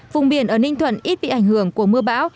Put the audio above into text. vùng biển ở ninh thuận ít bị ảnh hưởng của mưa bão